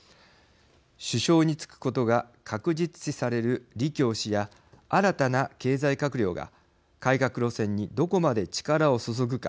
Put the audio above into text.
首相に就くことが確実視される李強氏や、新たな経済閣僚が改革路線にどこまで力を注ぐか